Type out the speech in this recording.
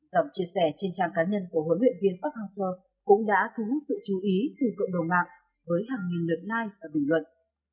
dòng chia sẻ trên trang cá nhân của huấn luyện viên park hang seo cũng đã thu hút sự chú ý từ cộng đồng mạng với hàng nghìn lượt like và bình luận